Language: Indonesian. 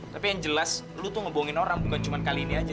tapi yang jelas lu tuh ngebongin orang bukan cuma kali ini aja